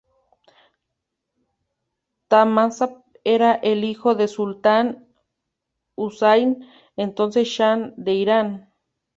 Tahmasp era el hijo del sultán Husayn, entonces shah de Irán.